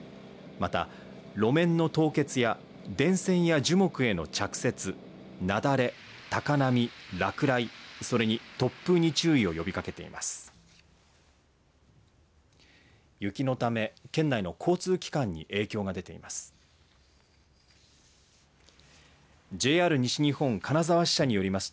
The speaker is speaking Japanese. また路面の凍結や電線や樹木への着雪雪崩、高波、落雷それに突風に注意を呼びかけています。